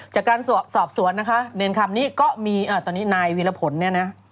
จากการสอบสวนนะคะเนรคำนี้ก็มีตอนนี้นายวีรพลเนี่ยนะ